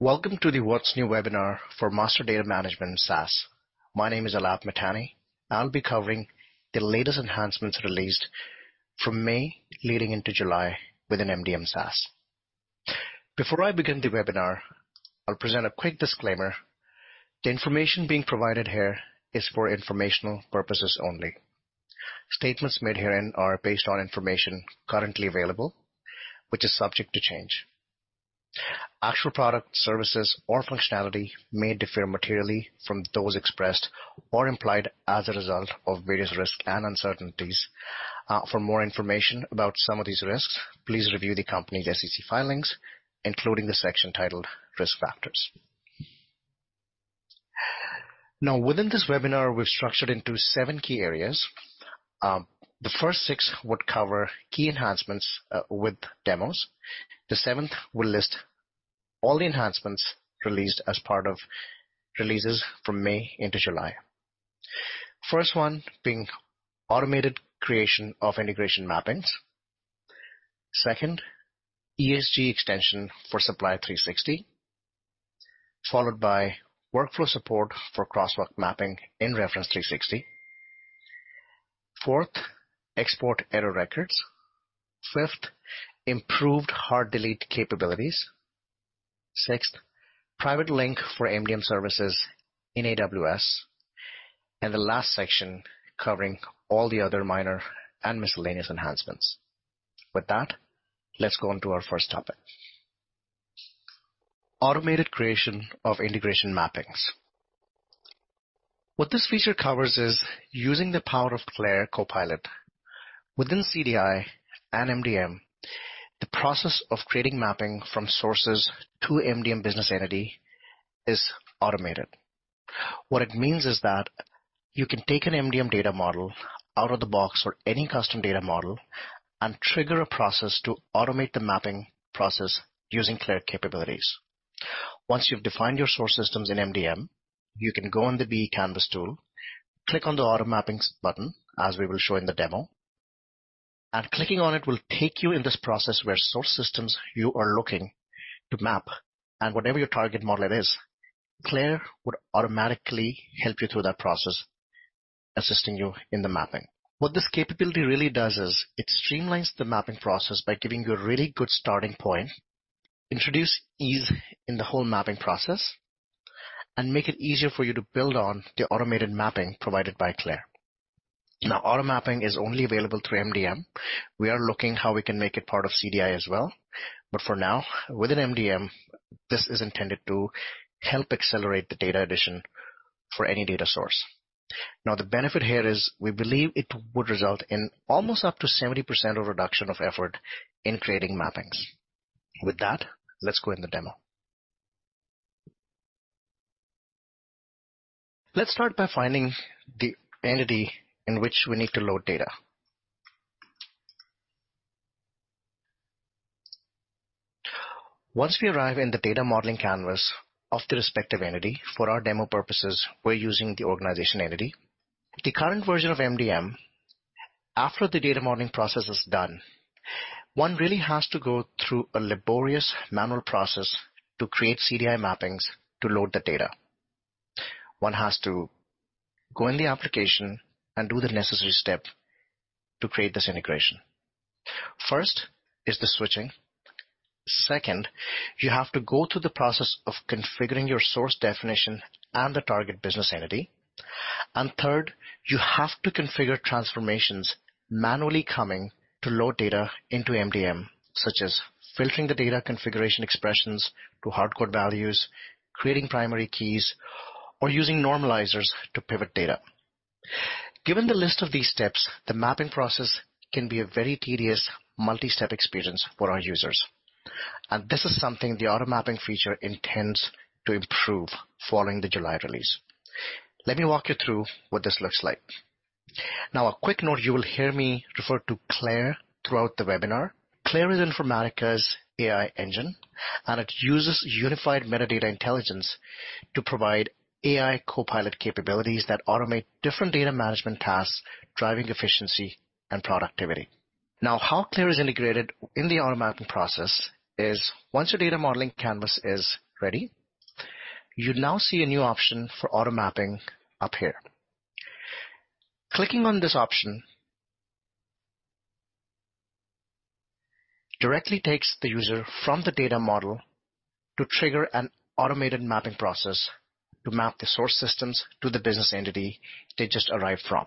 Welcome to the What's New webinar for Master Data Management SaaS. My name is Aalap Mithani, and I'll be covering the latest enhancements released from May leading into July within MDM SaaS. Before I begin the webinar, I'll present a quick disclaimer. The information being provided here is for informational purposes only. Statements made herein are based on information currently available, which is subject to change. Actual product, services, or functionality may differ materially from those expressed or implied as a result of various risks and uncertainties. For more information about some of these risks, please review the company's SEC filings, including the section titled "Risk Factors." Now, within this webinar, we've structured into seven key areas. The first six would cover key enhancements with demos. The seventh will list all the enhancements released as part of releases from May into July. First one being automated creation of integration mappings. Second, ESG extension for Supplier 360, followed by workflow support for crosswalk mapping in Reference 360. Fourth, export error records. Fifth, improved hard delete capabilities. Sixth, Private Link for MDM services in AWS, and the last section covering all the other minor and miscellaneous enhancements. With that, let's go on to our first topic. Automated creation of integration mappings. What this feature covers is using the power of CLAIRE Copilot. Within CDI and MDM, the process of creating mapping from sources to MDM business entity is automated. What it means is that you can take an MDM data model out of the box or any custom data model and trigger a process to automate the mapping process using CLAIRE capabilities. Once you've defined your source systems in MDM, you can go on the BE Canvas tool, click on the Automapping button, as we will show in the demo. Clicking on it will take you in this process where source systems you are looking to map and whatever your target model it is, CLAIRE would automatically help you through that process, assisting you in the mapping. What this capability really does is it streamlines the mapping process by giving you a really good starting point, introduce ease in the whole mapping process, and make it easier for you to build on the automated mapping provided by CLAIRE. Automapping is only available through MDM. We are looking how we can make it part of CDI as well. For now, within MDM, this is intended to help accelerate the data addition for any data source. Now, the benefit here is we believe it would result in almost up to 70% of reduction of effort in creating mappings. With that, let's go in the demo. Let's start by finding the entity in which we need to load data. Once we arrive in the data modeling canvas of the respective entity, for our demo purposes, we're using the organization entity. The current version of MDM, after the data modeling process is done, one really has to go through a laborious manual process to create CDI mappings to load the data. One has to go in the application and do the necessary step to create this integration. First is the switching. Second, you have to go through the process of configuring your source definition and the target business entity. Third, you have to configure transformations manually coming to load data into MDM, such as filtering the data configuration expressions to hard code values, creating primary keys, or using normalizers to pivot data. Given the list of these steps, the mapping process can be a very tedious, multi-step experience for our users. This is something the Automapping feature intends to improve following the July release. Let me walk you through what this looks like. A quick note, you will hear me refer to CLAIRE throughout the webinar. CLAIRE is Informatica's AI engine, and it uses unified metadata intelligence to provide AI copilot capabilities that automate different data management tasks, driving efficiency and productivity. How CLAIRE is integrated in the Automapping process is once your data modeling canvas is ready, you now see a new option for Automapping up here. Clicking on this option directly takes the user from the data model to trigger an automated mapping process to map the source systems to the business entity they just arrived from.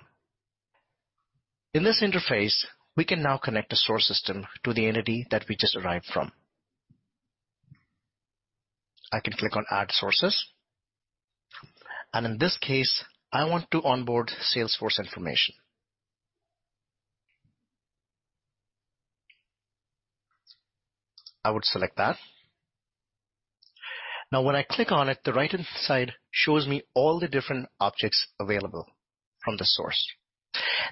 In this interface, we can now connect a source system to the entity that we just arrived from. I can click on Add sources, and in this case, I want to onboard Salesforce information. I would select that. Now, when I click on it, the right-hand side shows me all the different objects available from the source.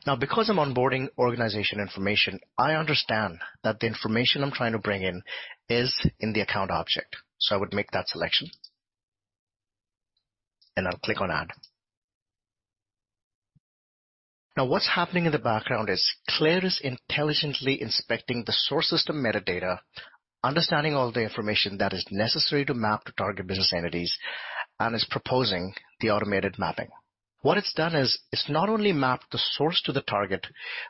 Now, because I'm onboarding organization information, I understand that the information I'm trying to bring in is in the account object. I would make that selection, and I'll click on Add.... Now, what's happening in the background is CLAIRE is intelligently inspecting the source system metadata, understanding all the information that is necessary to map to target business entities, and is proposing the Automapping. What it's done is, it's not only mapped the source to the target,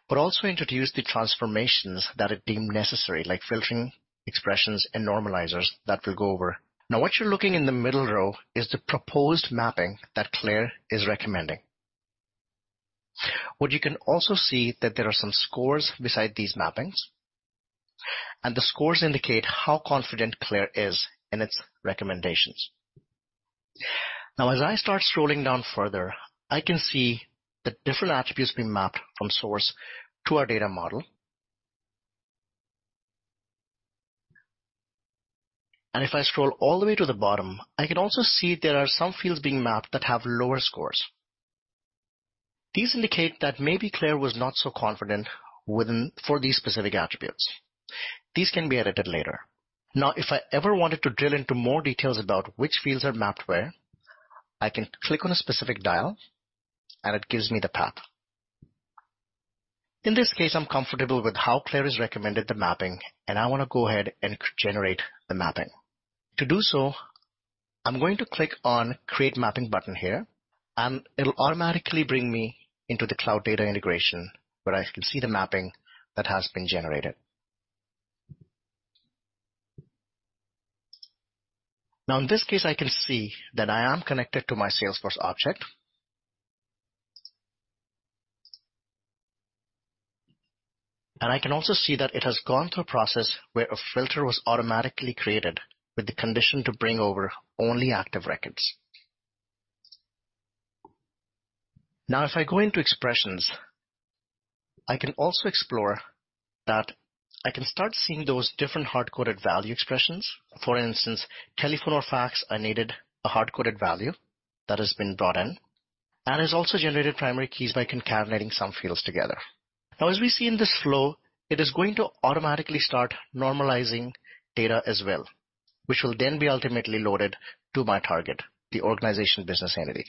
but also introduced the transformations that it deemed necessary, like filtering, expressions, and normalizers that we'll go over. Now, what you're looking in the middle row is the proposed mapping that CLAIRE is recommending. What you can also see that there are some scores beside these mappings, and the scores indicate how confident CLAIRE is in its recommendations. Now, as I start scrolling down further, I can see the different attributes being mapped from source to our data model. If I scroll all the way to the bottom, I can also see there are some fields being mapped that have lower scores. These indicate that maybe CLAIRE was not so confident for these specific attributes. These can be edited later. If I ever wanted to drill into more details about which fields are mapped where, I can click on a specific dial, and it gives me the path. In this case, I'm comfortable with how CLAIRE has recommended the mapping, and I want to go ahead and generate the mapping. To do so, I'm going to click on Create Mapping button here, and it'll automatically bring me into the Cloud Data Integration, where I can see the mapping that has been generated. In this case, I can see that I am connected to my Salesforce object. I can also see that it has gone through a process where a filter was automatically created with the condition to bring over only active records. If I go into expressions, I can also explore that I can start seeing those different hard-coded value expressions. For instance, telephone or fax, I needed a hard-coded value that has been brought in and has also generated primary keys by concatenating some fields together. As we see in this flow, it is going to automatically start normalizing data as well, which will then be ultimately loaded to my target, the organization business entity.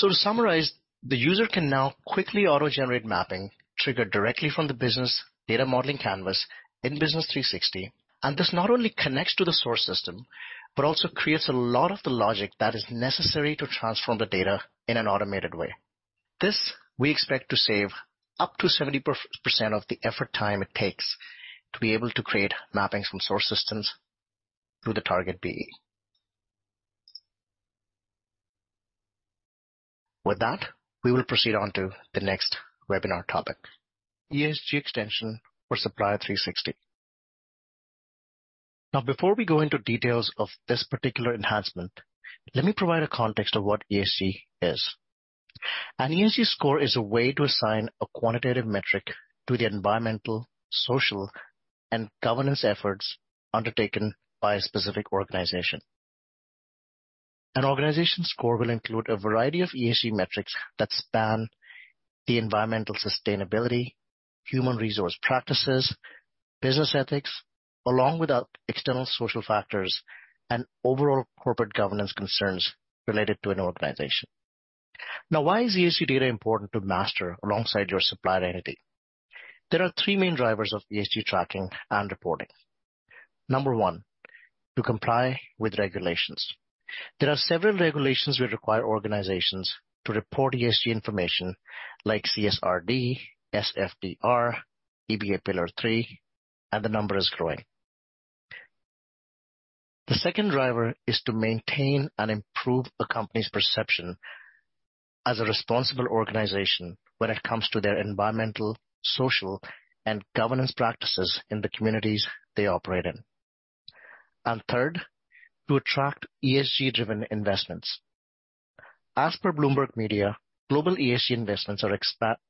To summarize, the user can now quickly auto-generate mapping triggered directly from the business data modeling canvas in Business 360, and this not only connects to the source system, but also creates a lot of the logic that is necessary to transform the data in an automated way. This we expect to save up to 70% of the effort time it takes to be able to create mappings from source systems to the target BE. We will proceed on to the next webinar topic, ESG extension for Supplier 360. Before we go into details of this particular enhancement, let me provide a context of what ESG is. An ESG score is a way to assign a quantitative metric to the environmental, social, and governance efforts undertaken by a specific organization. An organization's score will include a variety of ESG metrics that span the environmental sustainability, human resource practices, business ethics, along with the external social factors and overall corporate governance concerns related to an organization. Why is ESG data important to master alongside your supplier entity? There are three main drivers of ESG tracking and reporting. Number one, to comply with regulations. There are several regulations which require organizations to report ESG information like CSRD, SFDR, EBA Pillar three, and the number is growing. The second driver is to maintain and improve a company's perception as a responsible organization when it comes to their environmental, social, and governance practices in the communities they operate in. Third, to attract ESG-driven investments. As per Bloomberg Media, global ESG investments are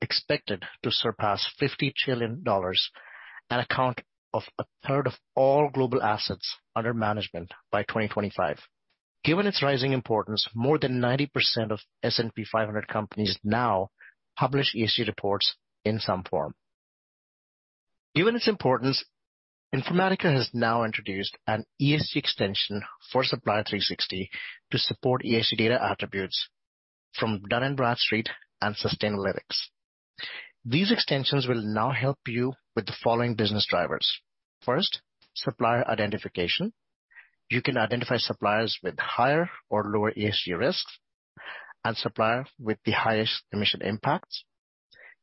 expected to surpass $50 trillion and account of a third of all global assets under management by 2025. Given its rising importance, more than 90% of S&P 500 companies now publish ESG reports in some form. Given its importance, Informatica has now introduced an ESG extension for Supplier 360 to support ESG data attributes from Dun & Bradstreet and Sustainalytics. These extensions will now help you with the following business drivers. First, supplier identification. You can identify suppliers with higher or lower ESG risks and supplier with the highest emission impacts.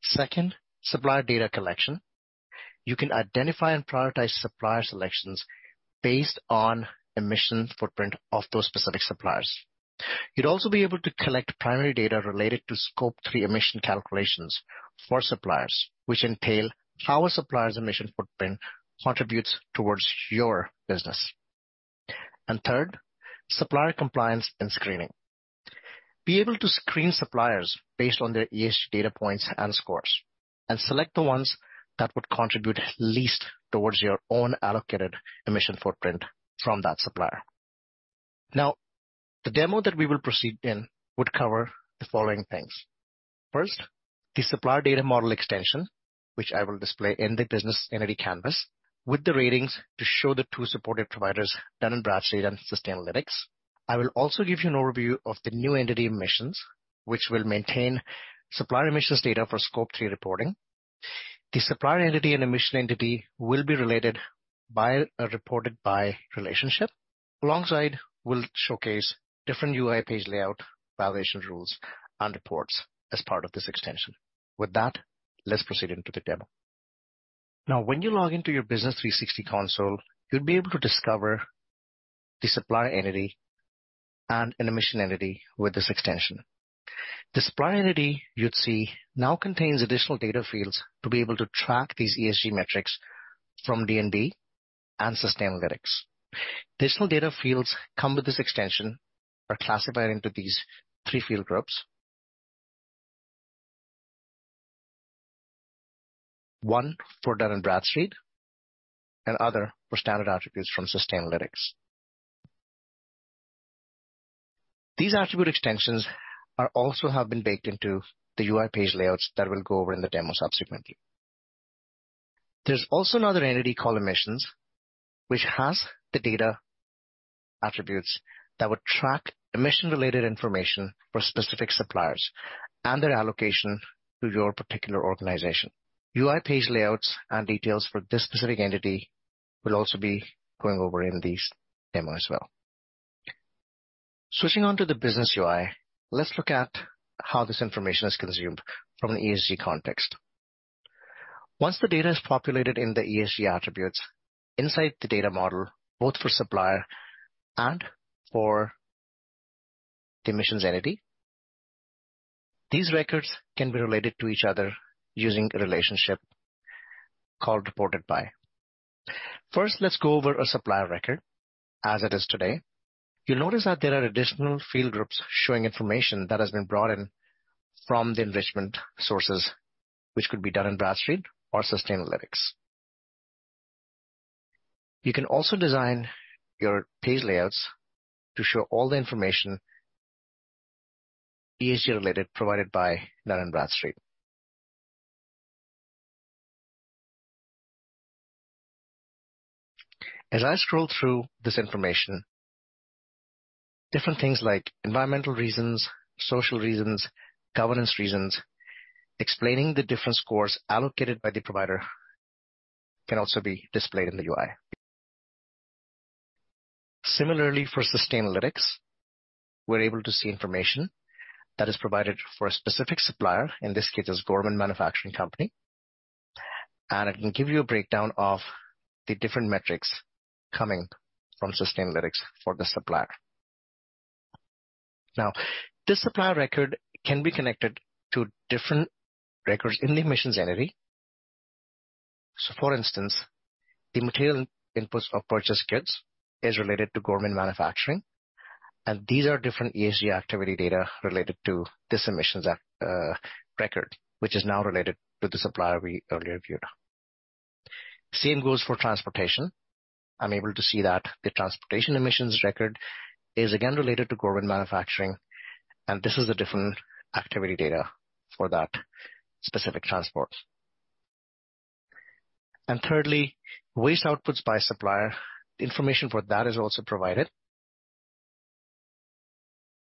Second, supplier data collection. You can identify and prioritize supplier selections based on emission footprint of those specific suppliers. You'd also be able to collect primary data related to Scope three emission calculations for suppliers, which entail how a supplier's emission footprint contributes towards your business. Third, supplier compliance and screening. Be able to screen suppliers based on their ESG data points and scores, and select the ones that would contribute least towards your own allocated emission footprint from that supplier. The demo that we will proceed in would cover the following things. First, the supplier data model extension, which I will display in the Business Entity canvas with the ratings to show the two supported providers, Dun & Bradstreet and Sustainalytics. I will also give you an overview of the new entity emissions, which will maintain supplier emissions data for Scope three reporting. The supplier entity and emission entity will be related by a Reported By relationship. Alongside, we'll showcase different UI page layout, validation rules, and reports as part of this extension. With that, let's proceed into the demo. Now, when you log into your Business 360 Console, you'll be able to discover the supplier entity and an emission entity with this extension. The supplier entity you'd see now contains additional data fields to be able to track these ESG metrics from D&B and Sustainalytics. Additional data fields come with this extension are classified into these three field groups. One for Dun & Bradstreet, and other for standard attributes from Sustainalytics. These attribute extensions are also have been baked into the UI page layouts that we'll go over in the demo subsequently. There's also another entity called Emissions, which has the data attributes that would track emission-related information for specific suppliers and their allocation to your particular organization. UI page layouts and details for this specific entity will also be going over in this demo as well. Switching on to the Business UI, let's look at how this information is consumed from an ESG context. Once the data is populated in the ESG attributes inside the data model, both for supplier and for the emissions entity, these records can be related to each other using a relationship called Reported By. First, let's go over a supplier record as it is today. You'll notice that there are additional field groups showing information that has been brought in from the enrichment sources, which could be Dun & Bradstreet or Sustainalytics. You can also design your page layouts to show all the information ESG-related, provided by Dun & Bradstreet. As I scroll through this information, different things like environmental reasons, social reasons, governance reasons, explaining the different scores allocated by the provider can also be displayed in the UI. Similarly, for Sustainalytics, we're able to see information that is provided for a specific supplier. In this case, it's Gorman Manufacturing Company, and it can give you a breakdown of the different metrics coming from Sustainalytics for the supplier. This supplier record can be connected to different records in the emissions entity. For instance, the material inputs of purchased goods is related to Gorman Manufacturing, and these are different ESG activity data related to this emissions record, which is now related to the supplier we earlier viewed. Same goes for transportation. I'm able to see that the transportation emissions record is again related to Gorman Manufacturing, and this is the different activity data for that specific transport. Thirdly, waste outputs by supplier. The information for that is also provided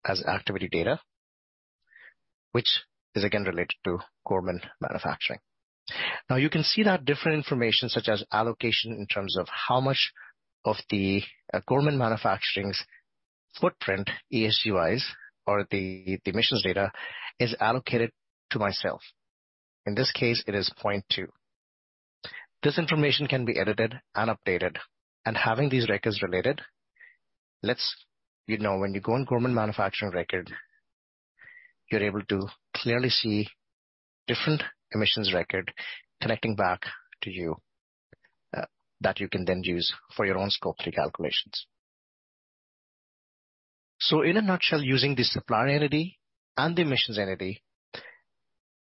as activity data, which is again related to Gorman Manufacturing. You can see that different information, such as allocation in terms of how much of the Gorman Manufacturing's footprint, uncertain or the emissions data is allocated to myself. In this case, it is 0.2. This information can be edited and updated, and having these records related lets you know when you go on Gorman Manufacturing record, you're able to clearly see different emissions record connecting back to you, that you can then use for your own Scope three calculations. In a nutshell, using the supplier entity and the emissions entity,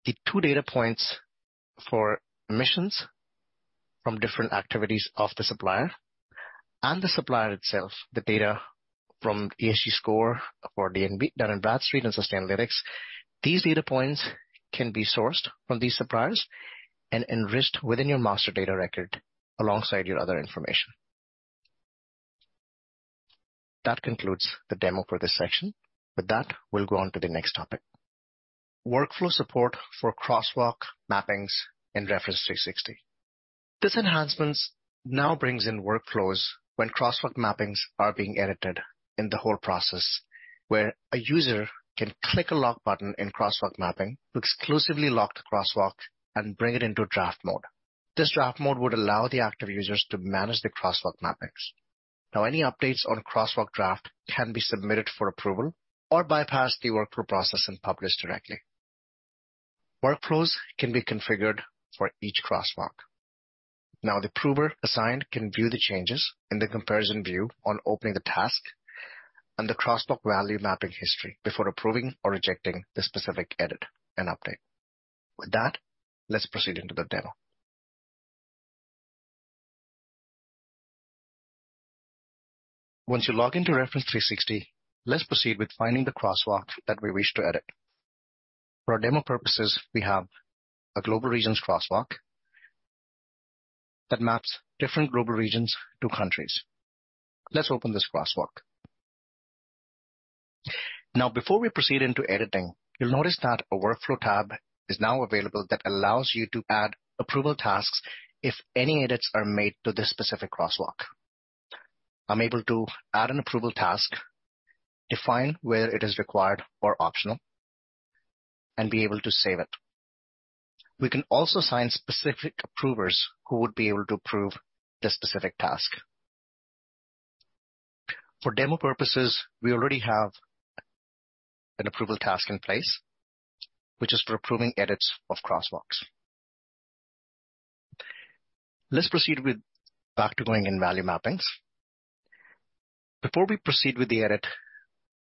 the two data points for emissions from different activities of the supplier and the supplier itself, the data from ESG score for D&B, Dun & Bradstreet, and Sustainalytics. These data points can be sourced from these suppliers and enriched within your master data record alongside your other information. That concludes the demo for this section. With that, we'll go on to the next topic. Workflow support for crosswalk mappings in Reference 360. This enhancements now brings in workflows when crosswalk mappings are being edited in the whole process, where a user can click a lock button in crosswalk mapping to exclusively lock the crosswalk and bring it into a draft mode. This draft mode would allow the active users to manage the crosswalk mappings. Now, any updates on crosswalk draft can be submitted for approval or bypass the workflow process and published directly. Workflows can be configured for each crosswalk. Now, the approver assigned can view the changes in the comparison view on opening the task and the crosswalk value mapping history before approving or rejecting the specific edit and update. With that, let's proceed into the demo. Once you log into Reference 360, let's proceed with finding the crosswalk that we wish to edit. For our demo purposes, we have a Global Regions crosswalk that maps different global regions to countries. Let's open this crosswalk. Before we proceed into editing, you'll notice that a Workflow tab is now available that allows you to add approval tasks if any edits are made to this specific crosswalk. I'm able to add an approval task, define where it is required or optional, and be able to save it. We can also assign specific approvers who would be able to approve this specific task. For demo purposes, we already have an approval task in place, which is for approving edits of crosswalks. Let's proceed with back to going in Value Mappings. Before we proceed with the edit,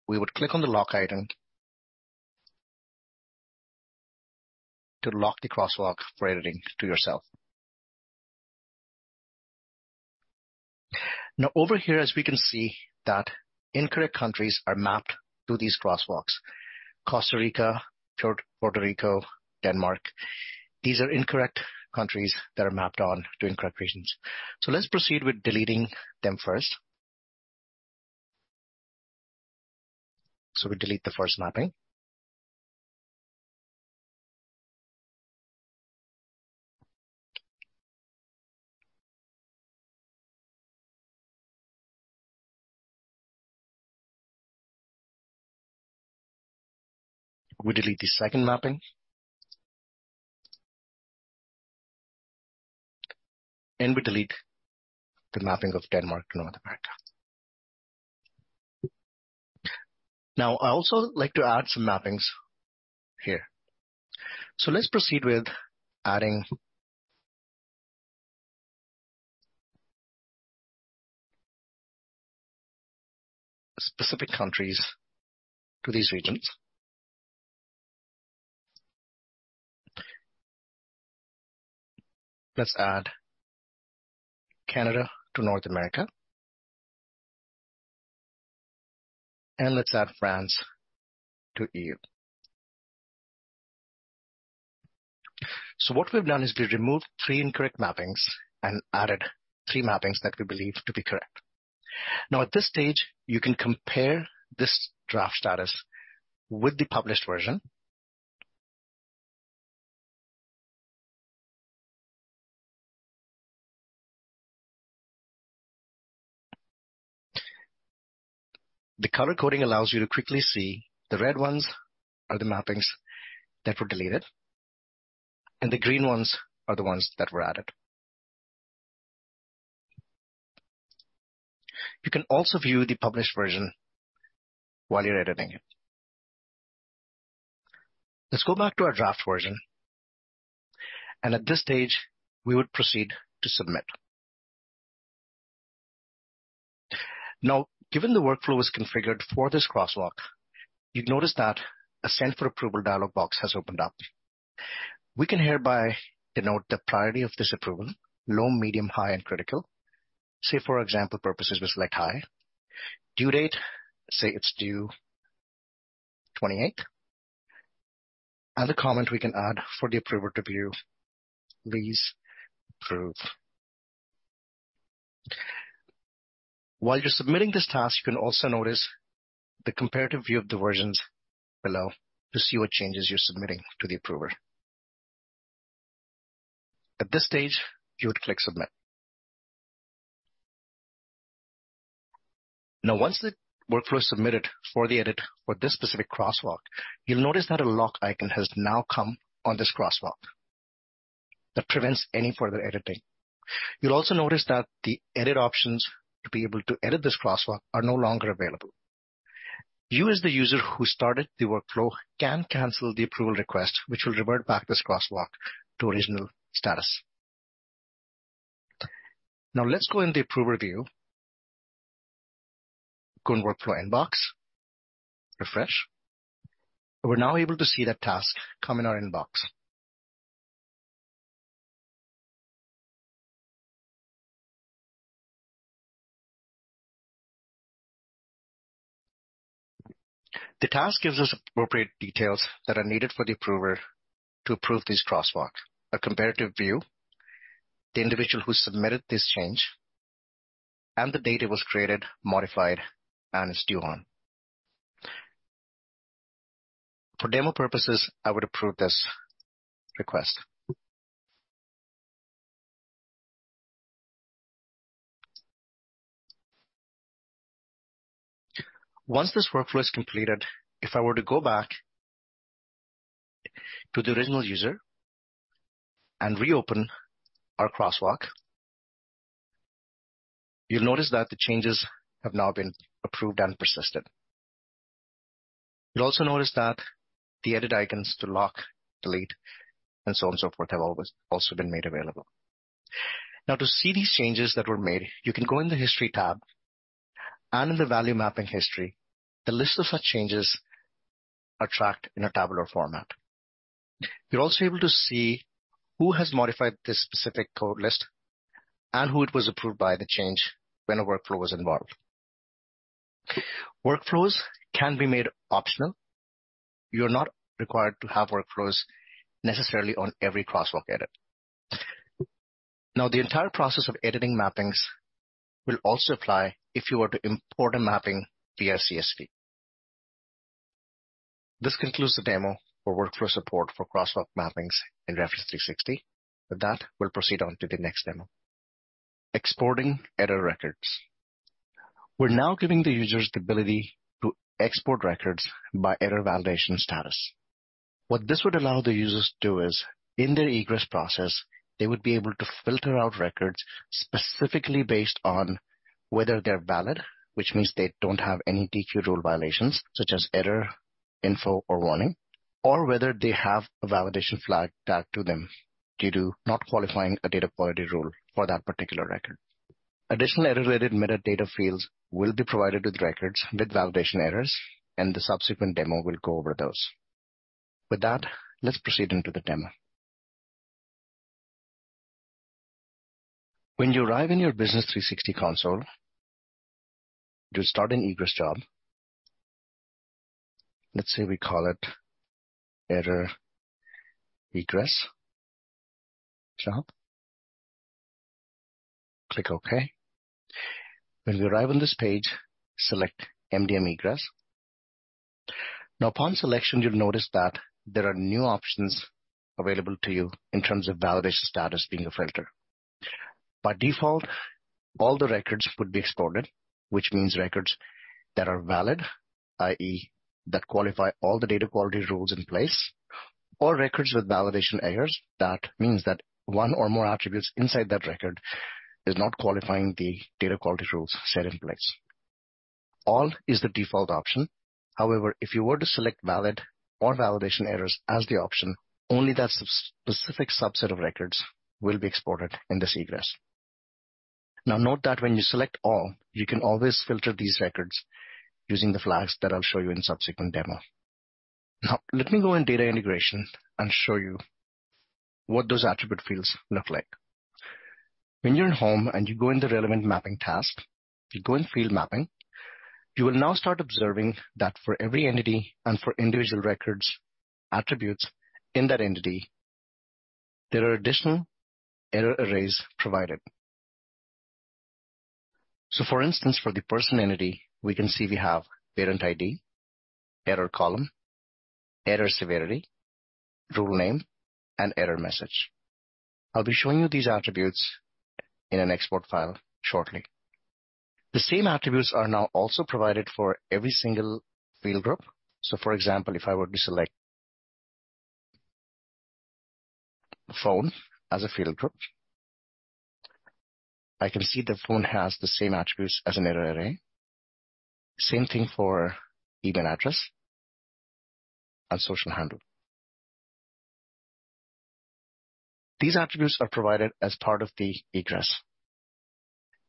we would click on the lock icon to lock the crosswalk for editing to yourself. Over here, as we can see, that incorrect countries are mapped to these crosswalks. Costa Rica, Puerto Rico, Denmark. These are incorrect countries that are mapped on to incorrect regions. Let's proceed with deleting them first. We delete the first mapping. We delete the second mapping. We delete the mapping of Denmark to North America. I also like to add some mappings here. Let's proceed with adding specific countries to these regions. Let's add Canada to North America, and let's add France to EU. What we've done is we've removed three incorrect mappings and added 3 mappings that we believe to be correct. At this stage, you can compare this draft status with the published version. The color coding allows you to quickly see the red ones are the mappings that were deleted, and the green ones are the ones that were added. You can also view the published version while you're editing it. Let's go back to our draft version, and at this stage, we would proceed to submit. Given the workflow is configured for this crosswalk, you've noticed that a Send for Approval dialog box has opened up. We can hereby denote the priority of this approval: low, medium, high, and critical. Say, for example, purposes, we select high. Due date, say it's due 28th. The comment we can add for the approver to view, 'Please approve.' While you're submitting this task, you can also notice the comparative view of the versions below to see what changes you're submitting to the approver. At this stage, you would click Submit. Once the workflow is submitted for the edit for this specific crosswalk, you'll notice that a lock icon has now come on this crosswalk that prevents any further editing. You'll also notice that the edit options to be able to edit this crosswalk are no longer available. You, as the user who started the workflow, can cancel the approval request, which will revert back this crosswalk to original status. Now, let's go in the Approver view. Go in Workflow Inbox, refresh. We're now able to see that task come in our inbox. The task gives us appropriate details that are needed for the approver to approve this crosswalk, a comparative view, the individual who submitted this change, and the date it was created, modified, and it's due on. For demo purposes, I would approve this request. Once this workflow is completed, if I were to go back to the original user and reopen our crosswalk, you'll notice that the changes have now been approved and persisted. You'll also notice that the edit icons to lock, delete, and so on and so forth, have also been made available. To see these changes that were made, you can go in the History tab and in the Value Mapping History, the list of such changes are tracked in a tabular format. You're also able to see who has modified this specific code list and who it was approved by the change when a workflow was involved. Workflows can be made optional. You are not required to have workflows necessarily on every crosswalk edit. The entire process of editing mappings will also apply if you were to import a mapping via CSV. This concludes the demo for workflow support for crosswalk mappings in Reference 360. With that, we'll proceed on to the next demo. Exporting error records. We're now giving the users the ability to export records by error validation status. What this would allow the users to do is, in their egress process, they would be able to filter out records specifically based on whether they're valid, which means they don't have any DQ rule violations, such as error, info, or warning, or whether they have a validation flag tagged to them due to not qualifying a data quality rule for that particular record. Additional error-related metadata fields will be provided with records with validation errors, and the subsequent demo will go over those. With that, let's proceed into the demo. When you arrive in your Business 360 console, to start an egress job, let's say we call it Error Egress Job. Click OK. When you arrive on this page, select MDM Egress. Now, upon selection, you'll notice that there are new options available to you in terms of validation status being a filter. By default, all the records would be exported, which means records that are valid, i.e., that qualify all the data quality rules in place, or records with validation errors. That means that one or more attributes inside that record is not qualifying the data quality rules set in place. All is the default option. However, if you were to select valid or validation errors as the option, only that specific subset of records will be exported in this egress. Note that when you select all, you can always filter these records using the flags that I'll show you in subsequent demo. Let me go in data integration and show you what those attribute fields look like. When you're in home and you go in the relevant mapping task, you go in field mapping, you will now start observing that for every entity and for individual records, attributes in that entity, there are additional error arrays provided. For instance, for the person entity, we can see we have parent ID, error column, error severity, rule name, and error message. I'll be showing you these attributes in an export file shortly. The same attributes are now also provided for every single field group. For example, if I were to select phone as a field group, I can see the phone has the same attributes as an error array. Same thing for email address and social handle. These attributes are provided as part of the egress.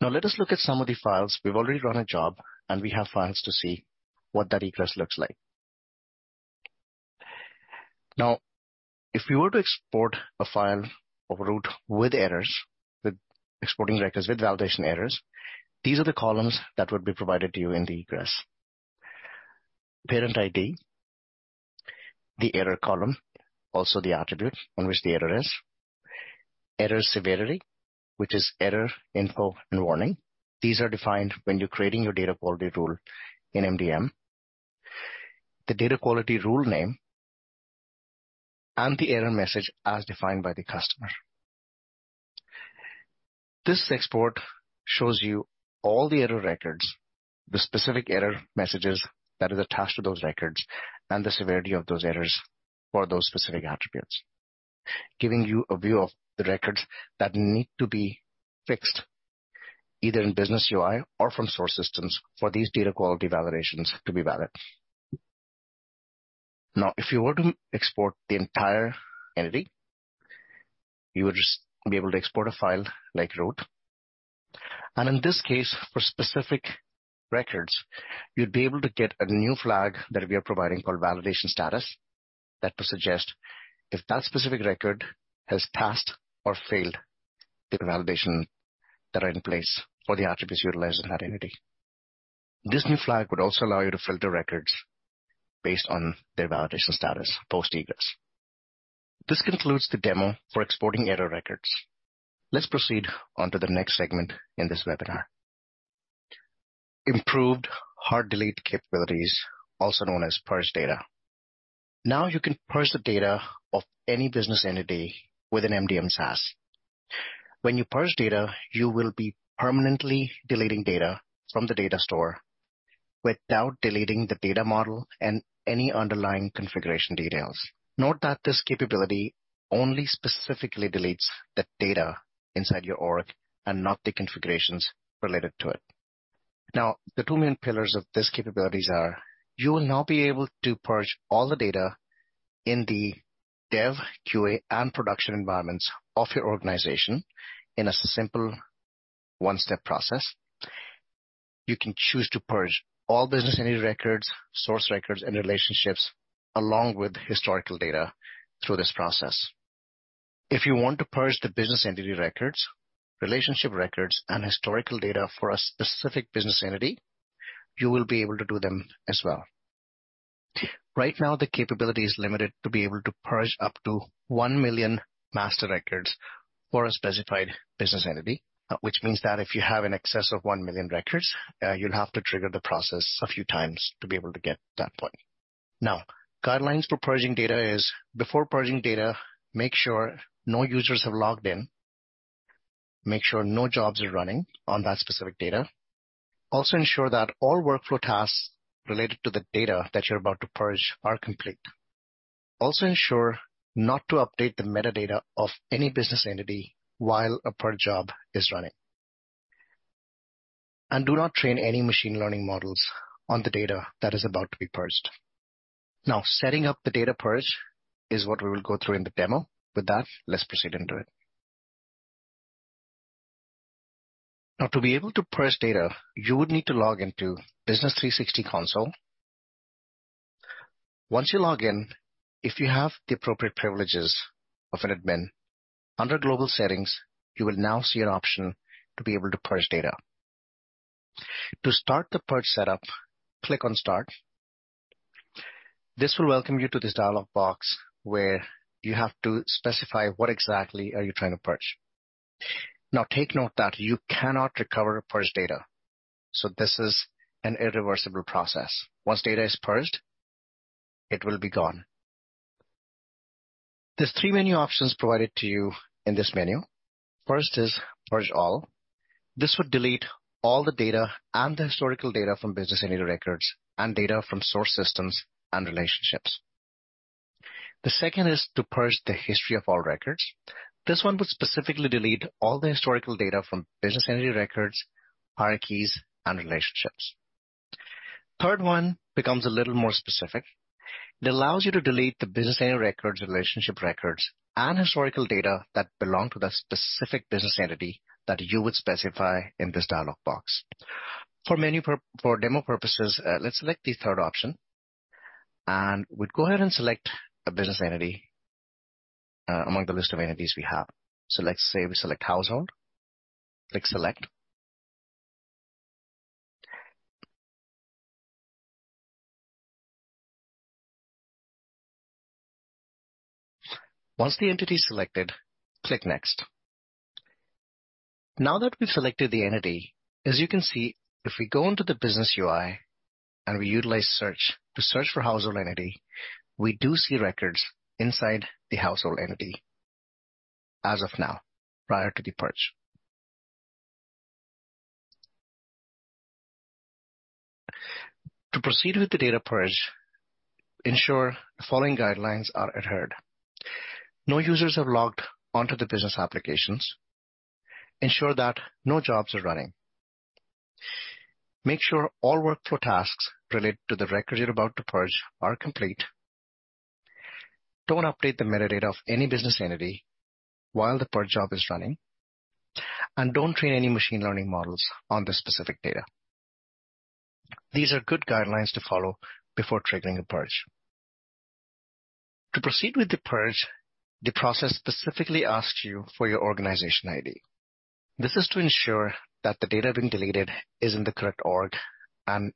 Let us look at some of the files. We've already run a job, and we have files to see what that egress looks like. Now, if we were to export a file or route with errors, with exporting records with validation errors, these are the columns that would be provided to you in the egress. Parent ID, the error column, also the attribute on which the error is, error severity, which is error, info, and warning. These are defined when you're creating your data quality rule in MDM, the data quality rule name, and the error message as defined by the customer. This export shows you all the error records, the specific error messages that are attached to those records, and the severity of those errors for those specific attributes, giving you a view of the records that need to be fixed either in Business UI or from source systems for these data quality validations to be valid. If you were to export the entire entity, you would just be able to export a file like root. In this case, for specific records, you'd be able to get a new flag that we are providing called validation status. That would suggest if that specific record has passed or failed the validation that are in place for the attributes utilized in that entity. This new flag would also allow you to filter records based on their validation status, post egress. This concludes the demo for exporting error records. Let's proceed on to the next segment in this webinar. Improved hard delete capabilities, also known as purge data. You can purge the data of any business entity within MDM SaaS. When you purge data, you will be permanently deleting data from the data store without deleting the data model and any underlying configuration details. Note that this capability only specifically deletes the data inside your org and not the configurations related to it. Now, the two main pillars of this capabilities are, you will now be able to purge all the data in the dev, QA, and production environments of your organization in a one step process. You can choose to purge all business entity records, source records, and relationships along with historical data through this process. If you want to purge the business entity records, relationship records, and historical data for a specific business entity, you will be able to do them as well. Right now, the capability is limited to be able to purge up to 1 million master records for a specified business entity, which means that if you have in excess of 1 million records, you'll have to trigger the process a few times to be able to get to that point. Guidelines for purging data is: before purging data, make sure no users have logged in, make sure no jobs are running on that specific data. Ensure that all workflow tasks related to the data that you're about to purge are complete. Ensure not to update the metadata of any business entity while a purge job is running. Do not train any machine learning models on the data that is about to be purged. Setting up the data purge is what we will go through in the demo. With that, let's proceed into it. To be able to purge data, you would need to log into Business 360 Console. Once you log in, if you have the appropriate privileges of an admin, under Global Settings, you will now see an option to be able to purge data. To start the purge setup, click on Start. This will welcome you to this dialog box, where you have to specify what exactly are you trying to purge. Take note that you cannot recover purged data, so this is an irreversible process. Once data is purged, it will be gone. There's three menu options provided to you in this menu. First is purge all. This would delete all the data and the historical data from business entity records and data from source systems and relationships. The second is to purge the history of all records. This one would specifically delete all the historical data from business entity records, hierarchies, and relationships. Third one becomes a little more specific. It allows you to delete the business entity records, relationship records, and historical data that belong to the specific business entity that you would specify in this dialog box. For demo purposes, let's select the third option, and we'd go ahead and select a business entity among the list of entities we have. Let's say we select household. Click Select. Once the entity is selected, click Next. Now that we've selected the entity, as you can see, if we go into the Business UI and we utilize search to search for household entity, we do see records inside the household entity as of now, prior to the purge. To proceed with the data purge, ensure the following guidelines are adhered: No users have logged onto the business applications. Ensure that no jobs are running. Make sure all workflow tasks related to the records you're about to purge are complete. Don't update the metadata of any business entity while the purge job is running, and don't train any machine learning models on the specific data. These are good guidelines to follow before triggering a purge. To proceed with the purge, the process specifically asks you for your organization ID. This is to ensure that the data being deleted is in the correct org and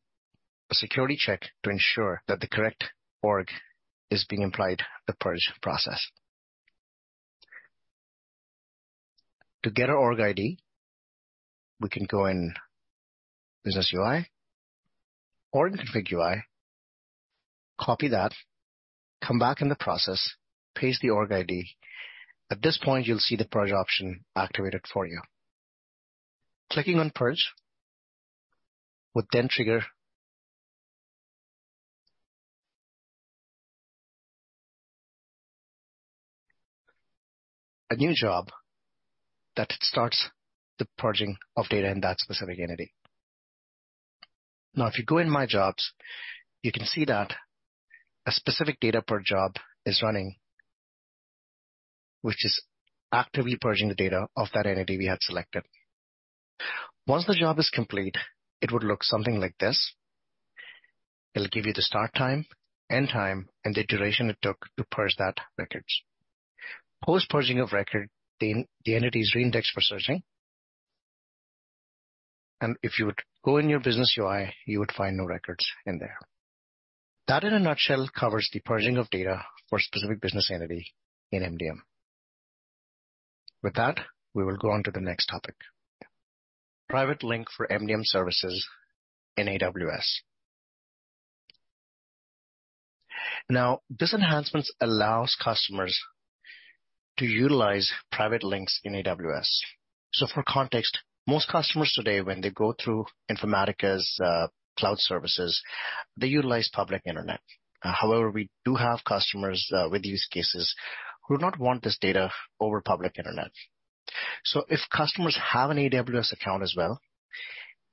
a security check to ensure that the correct org is being applied the purge process. To get our org ID, we can go in Business UI or in Config UI, copy that, come back in the process, paste the org ID. At this point, you'll see the purge option activated for you. Clicking on purge would then trigger a new job that starts the purging of data in that specific entity. If you go in My Jobs, you can see that a specific data purge job is running, which is actively purging the data of that entity we had selected. Once the job is complete, it would look something like this. It'll give you the start time, end time, and the duration it took to purge that records. Post purging of record, the entity is reindexed for searching, and if you would go in your Business UI, you would find no records in there. That, in a nutshell, covers the purging of data for a specific business entity in MDM. We will go on to the next topic. Private Link for MDM services in AWS. This enhancements allows customers to utilize private links in AWS. For context, most customers today, when they go through Informatica's cloud services, they utilize public internet. However, we do have customers with use cases who not want this data over public internet. If customers have an AWS account as well,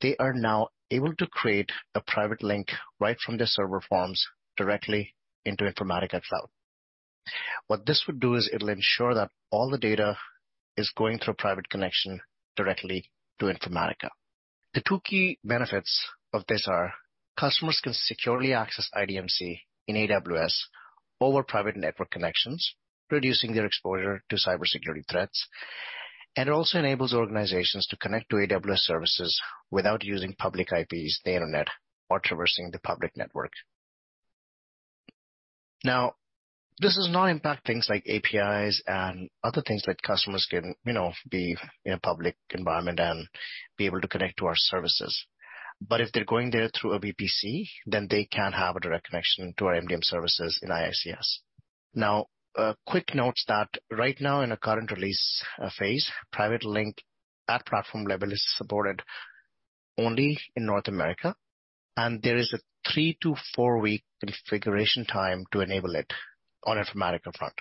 they are now able to create a private link right from their server forms directly into Informatica Cloud. What this would do is it'll ensure that all the data is going through a private connection directly to Informatica. The two key benefits of this are, customers can securely access IDMC in AWS over private network connections, reducing their exposure to cybersecurity threats, and it also enables organizations to connect to AWS services without using public IPs, the Internet, or traversing the public network. This does not impact things like APIs and other things that customers can, you know, be in a public environment and be able to connect to our services. If they're going there through a VPC, then they can have a direct connection to our MDM services in IICS. A quick note that right now in a current release phase, Private Link at platform level is supported only in North America, and there is a three to four-week configuration time to enable it on Informatica front.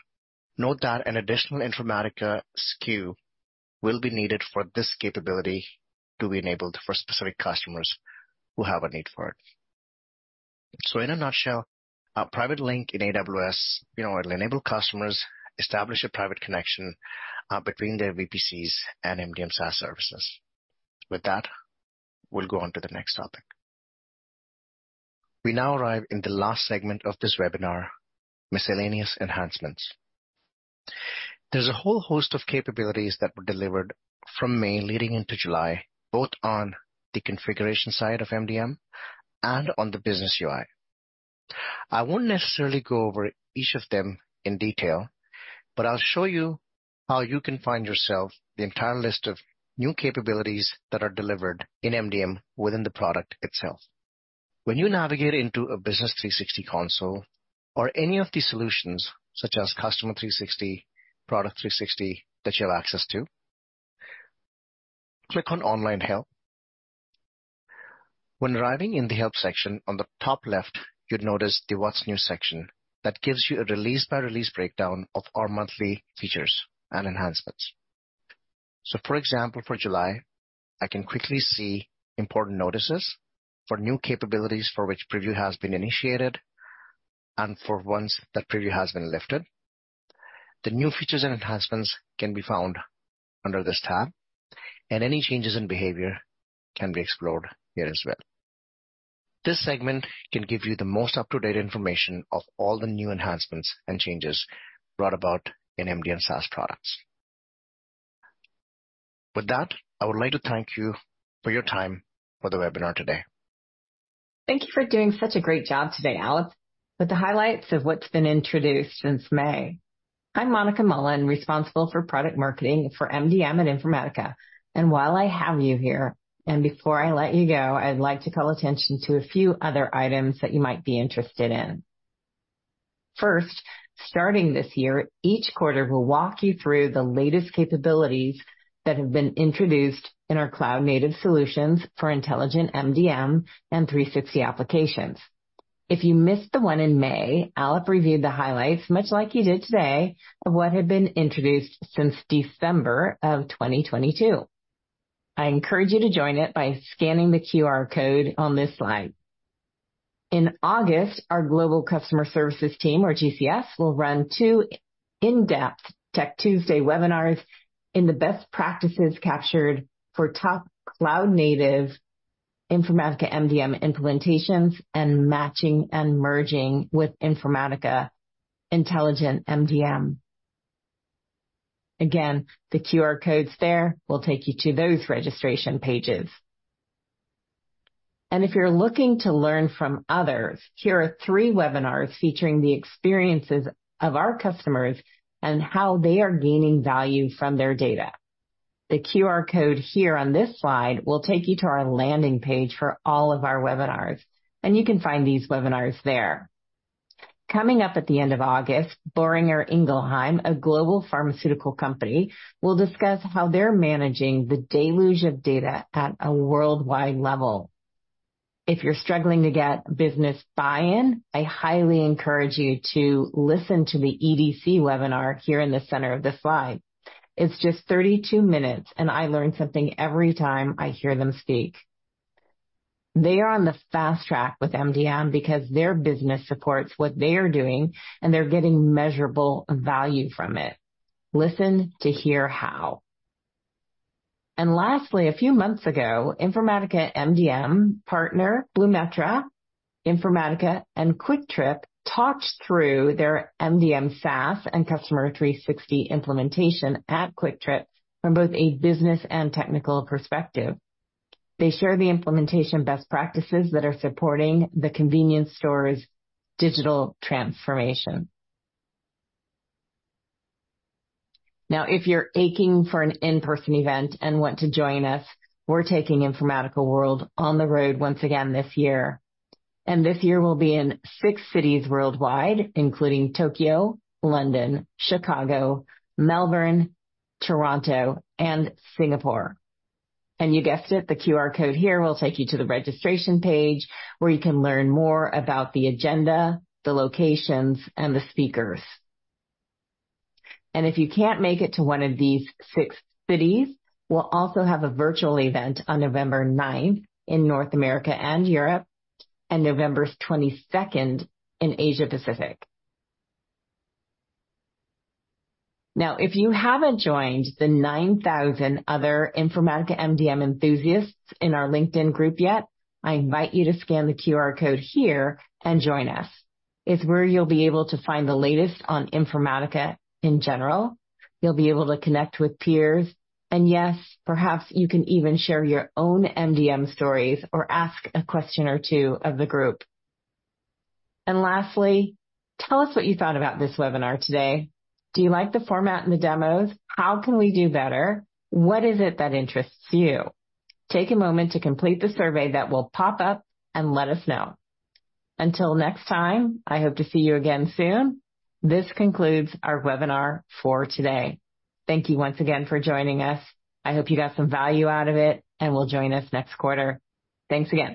Note that an additional Informatica SKU will be needed for this capability to be enabled for specific customers who have a need for it. In a nutshell, a Private Link in AWS, you know, it'll enable customers establish a private connection between their VPCs and MDM SaaS services. We'll go on to the next topic. We now arrive in the last segment of this webinar: Miscellaneous Enhancements. There's a whole host of capabilities that were delivered from May leading into July, both on the configuration side of MDM and on the Business UI. I won't necessarily go over each of them in detail, but I'll show you how you can find yourself the entire list of new capabilities that are delivered in MDM within the product itself. When you navigate into a Business 360 console or any of these solutions, such as Customer 360, Product 360, that you have access to, click on Online Help. When arriving in the Help section, on the top left, you'd notice the What's New section. That gives you a release-by-release breakdown of our monthly features and enhancements. For example, for July, I can quickly see important notices for new capabilities for which preview has been initiated and for ones that preview has been lifted. The new features and enhancements can be found under this tab, and any changes in behavior can be explored here as well. This segment can give you the most up-to-date information of all the new enhancements and changes brought about in MDM SaaS products. With that, I would like to thank you for your time for the webinar today. Thank you for doing such a great job today, Aalap Mithani, with the highlights of what's been introduced since May. I'm Monica Mullen, responsible for product marketing for MDM and Informatica, and while I have you here, and before I let you go, I'd like to call attention to a few other items that you might be interested in. First, starting this year, each quarter, we'll walk you through the latest capabilities that have been introduced in our cloud-native solutions for intelligent MDM and 360 applications. If you missed the one in May, Aalap Mithani reviewed the highlights, much like he did today, of what had been introduced since December of 2022. I encourage you to join it by scanning the QR code on this slide. In August, our global customer services team, or GCS, will run two in-depth Tech Tuesdays webinars in the best practices captured for top cloud-native Informatica MDM implementations and matching and merging with Informatica intelligent MDM. The QR codes there will take you to those registration pages. If you're looking to learn from others, here are 3 webinars featuring the experiences of our customers and how they are gaining value from their data. The QR code here on this slide will take you to our landing page for all of our webinars, and you can find these webinars there. Coming up at the end of August, Boehringer Ingelheim, a global pharmaceutical company, will discuss how they're managing the deluge of data at a worldwide level. If you're struggling to get business buy-in, I highly encourage you to listen to the EDC webinar here in the center of this slide. It's just 32 minutes, and I learn something every time I hear them speak. They are on the fast track with MDM because their business supports what they are doing, and they're getting measurable value from it. Listen to hear how. Lastly, a few months ago, Informatica MDM partner Blumetra, Informatica, and Kwik Trip talked through their MDM SaaS and Customer 360 implementation at Kwik Trip from both a business and technical perspective. They share the implementation best practices that are supporting the convenience store's digital transformation. If you're aching for an in-person event and want to join us, we're taking Informatica World on the road once again this year. This year we'll be in six cities worldwide, including Tokyo, London, Chicago, Melbourne, Toronto, and Singapore. You guessed it, the QR code here will take you to the registration page, where you can learn more about the agenda, the locations, and the speakers. If you can't make it to one of these six cities, we'll also have a virtual event on November 9th in North America and Europe, and November 22nd in Asia Pacific. Now, if you haven't joined the 9,000 other Informatica MDM enthusiasts in our LinkedIn group yet, I invite you to scan the QR code here and join us. It's where you'll be able to find the latest on Informatica in general. You'll be able to connect with peers, and, yes, perhaps you can even share your own MDM stories or ask a question or two of the group. Lastly, tell us what you thought about this webinar today. Do you like the format and the demos? How can we do better? What is it that interests you? Take a moment to complete the survey that will pop up, and let us know. Until next time, I hope to see you again soon. This concludes our webinar for today. Thank you once again for joining us. I hope you got some value out of it and will join us next quarter. Thanks again.